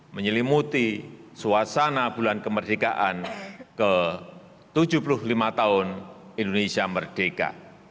menyelimuti suasana bulan kemerdekaan ke tujuh puluh lima tahun indonesia merdeka